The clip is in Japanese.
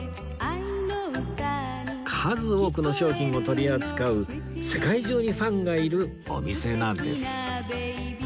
数多くの商品を取り扱う世界中にファンがいるお店なんです